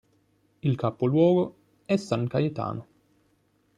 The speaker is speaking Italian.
Il capoluogo è San Cayetano.